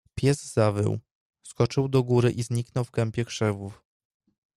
"Pies zawył, skoczył do góry i zniknął w kępie krzewów."